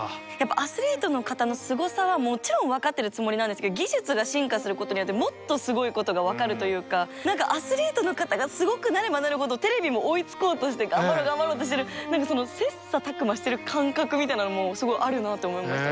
アスリートの方のすごさはもちろん分かってるつもりなんですけど何かアスリートの方がすごくなればなるほどテレビも追いつこうとして頑張ろう頑張ろうってしてる何かその切磋琢磨してる感覚みたいなのもすごいあるなって思いました。